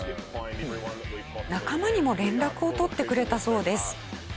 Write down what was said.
仲間にも連絡を取ってくれたそうです。